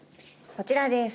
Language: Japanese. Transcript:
こちらです。